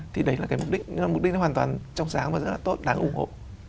thì đấy là cái mục đích hoàn toàn trong sáng và rất là tốt đáng ủng hộ